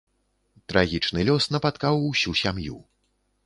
Трагічны лёс напаткаў усю сям'ю.